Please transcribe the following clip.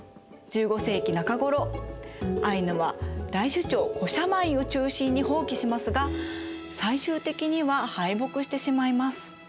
１５世紀中頃アイヌは大首長コシャマインを中心に蜂起しますが最終的には敗北してしまいます。